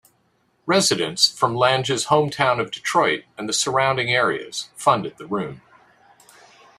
Residents from Lange's hometown of Detroit and the surrounding areas funded the room.